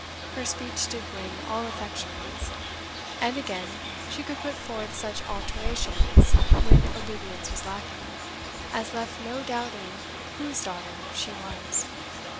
Her speech did win all affections. And again, she could put forth such alterations, when obedience was lacking, as left no doubting WHOSE daughter she was.